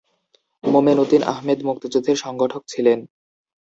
মোমেন উদ্দিন আহমেদ মুক্তিযুদ্ধের সংগঠক ছিলেন।